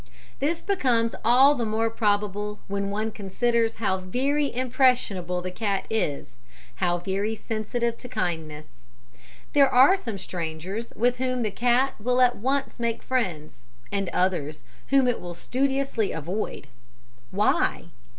"This becomes all the more probable when one considers how very impressionable the cat is how very sensitive to kindness. There are some strangers with whom the cat will at once make friends, and others whom it will studiously avoid. Why?